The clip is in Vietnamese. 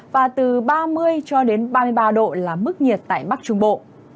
và từ ba mươi ba mươi ba độ là mức nhiệt tại bắc trung bộ